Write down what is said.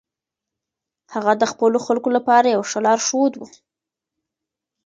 هغه د خپلو خلکو لپاره یو ښه لارښود و.